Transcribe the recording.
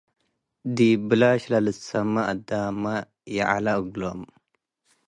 ዲብ ብላሽ ለልትሰሜ አዳምመ ይዐለ እግሎም ።